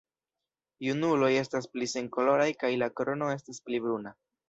Junuloj estas pli senkoloraj kaj la krono estas pli bruna.